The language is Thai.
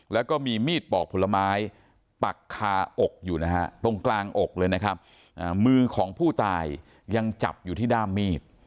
แล้วก็มีมีดปอกผลไม้ปักคาอกอยู่นะฮะตรงกลางอกเลยนะครับมือของผู้ตายยังจับอยู่ที่ด้ามมีด